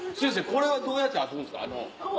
これはどうやって遊ぶんですか？